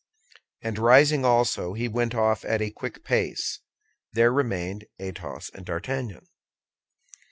And rising also, he went off at a quick pace. There remained Athos and D'Artagnan.